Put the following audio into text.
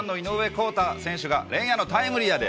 広大選手が連夜のタイムリーやで。